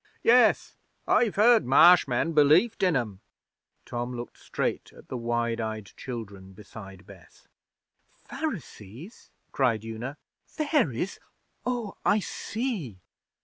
'Yes. I've heard Marsh men belieft in 'em.' Tom looked straight at the wide eyed children beside Bess. 'Pharisees,' cried Una. 'Fairies? Oh, I see!'